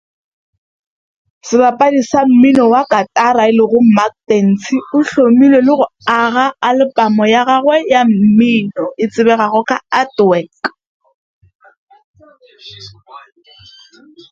Guitar player Mark Dancey designed the album artwork.